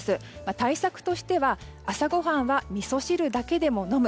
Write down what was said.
対策としては朝ご飯はみそ汁だけでも飲む。